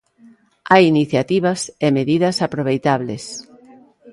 Hai iniciativas e medidas aproveitables.